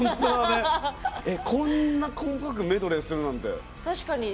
こんな細かくメドレーするなんて。